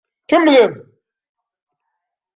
Kemmlem.